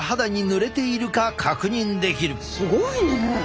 すごいね！